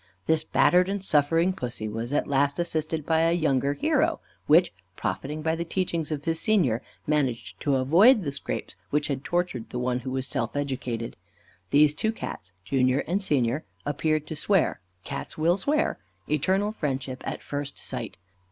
This battered and suffering Pussy was at last assisted by a younger hero, which, profiting by the teachings of his senior, managed to avoid the scrapes which had tortured the one who was self educated. These two Cats, Junior and Senior, appeared to swear (Cats will swear) eternal friendship at first sight.